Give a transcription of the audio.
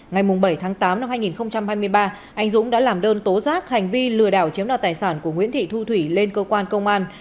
ngày bảy tháng tám năm hai nghìn hai mươi ba anh dũng đã làm đơn tố giác hành vi lừa đảo chiếm đoạt tài sản của nguyễn thị thu thủy lên cơ quan công an